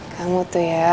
kamu tuh ya